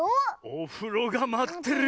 「おふろがまってるよ」。